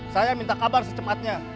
saya minta kabar secepatnya